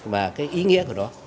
mà cái ý nghĩa của nó